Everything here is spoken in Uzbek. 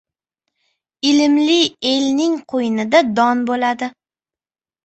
Ilmli elning qo‘ynida don bo‘ladi.